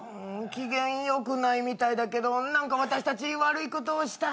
機嫌よくないみたいだけど何か私たち悪いことをした？